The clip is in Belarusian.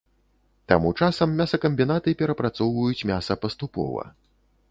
Таму часам мясакамбінаты перапрацоўваюць мяса паступова.